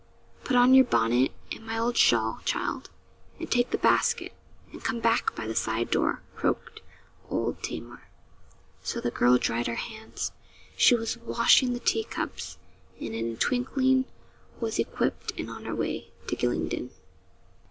'Put on your bonnet and my old shawl, child; and take the basket, and come back by the side door,' croaked old Tamar. So the girl dried her hands she was washing the teacups and in a twinkling was equipped and on her way to Gylingden.